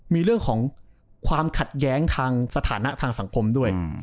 มีเรื่องของความขัดแย้งทางสถานะทางสังคมด้วย